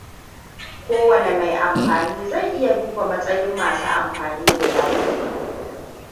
Kowanne mai amfani zai iya duba matsayin masu amfani guda uku.